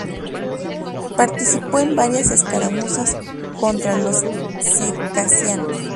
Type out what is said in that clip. Participó en varias escaramuzas contra los circasianos.